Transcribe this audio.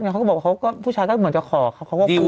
เขาก็บอกว่าผู้ชายก็เหมือนจะขอเขาก็กลัว